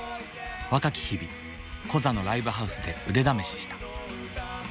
若き日々コザのライブハウスで腕試しした。